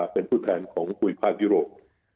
เป็นผู้แทนของภูมิภาคยุโรป